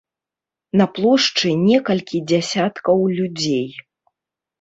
На плошчы некалькі дзясяткаў людзей.